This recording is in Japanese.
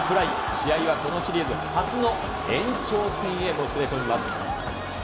試合はこのシリーズ初の延長戦へもつれ込みます。